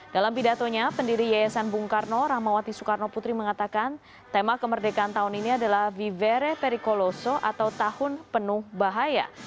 dalam pidatonya pendiri yayasan bung karno rahmawati soekarno putri mengatakan tema kemerdekaan tahun ini adalah vivere perikoloso atau tahun penuh bahaya